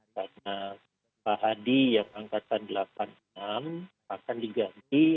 karena pak hadi yang angkatan delapan puluh enam akan diganti